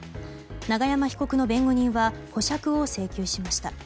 永山被告の弁護人は保釈を請求しました。